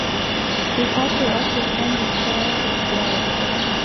Les quatre autres femmes restèrent graves.